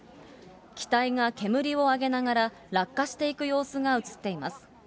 機体が煙を上げながら落下していく様子が映っています。